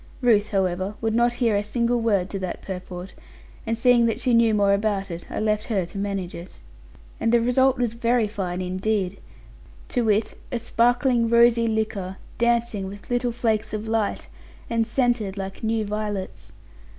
Ruth, however, would not hear a single word to that purport; and seeing that she knew more about it, I left her to manage it. And the result was very fine indeed, to wit, a sparkling rosy liquor, dancing with little flakes of light, and scented like new violets.